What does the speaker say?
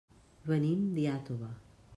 Venim d'Iàtova.